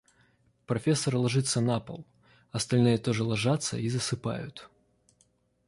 Профессор ложится на пол, остальные тоже ложатся и засыпают.